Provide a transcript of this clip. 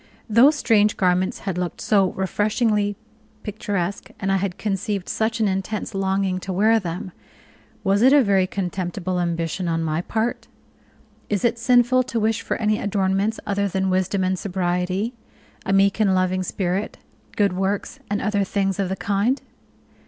Those strange garments had looked so refreshingly picturesque, and I had conceived such an intense longing to wear them! Was it a very contemptible ambition on my part? Is it sinful to wish for any adornments other than wisdom and sobriety, a meek and loving spirit, good works, and other things of the kind?